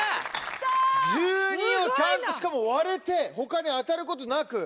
１２をちゃんとしかも割れて他に当たることなく。